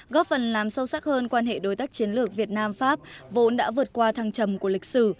góp phần làm sâu sắc hơn quan hệ đối tác chiến lược việt nam pháp vốn đã vượt qua thăng trầm của lịch sử